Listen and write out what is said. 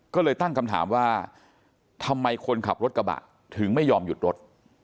ก็เลยตั้งคำถามว่าทำไมคนขับรถกระบะถึงไม่ยอมหยุดรถ